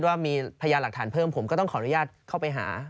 ถ้าพญานหลักฐานเผิมผมต้องขออนุญาตเข้าไปหา